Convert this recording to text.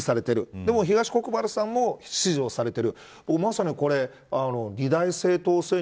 でも東国原さんも支持されている。